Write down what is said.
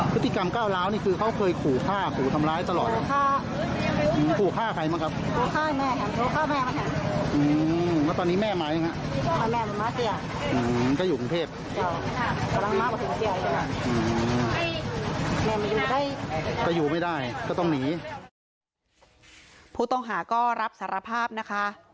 ผู้ต้องหาก็รับสารภาพนะคะ